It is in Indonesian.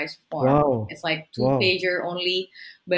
seperti dua pagi saja